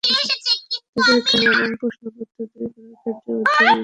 তাই পরীক্ষা নেওয়া এবং প্রশ্নপত্র তৈরি করার ক্ষেত্রে বুদ্ধিমত্তার পরিচয় দিতে হবে।